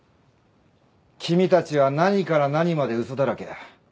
君たちは何から何まで嘘だらけだ。